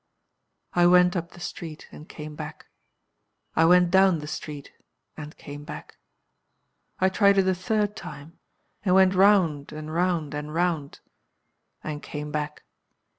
"I went up the street and came back. I went down the street and came back. I tried it a third time, and went round and round and round and came back.